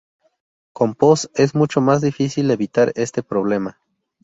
Con PoS es mucho más difícil evitar este problema.